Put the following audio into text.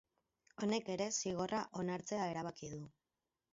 Honek ere zigorra onartzea erabaki du.